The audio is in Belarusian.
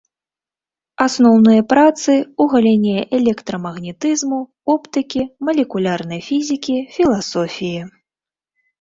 Асноўныя працы ў галіне электрамагнетызму, оптыкі, малекулярнай фізікі, філасофіі.